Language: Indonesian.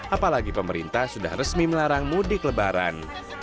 apalagi pemerintah sudah resmi melarang mudik lebaran